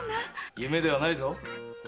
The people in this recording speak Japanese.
夢ではないぞ。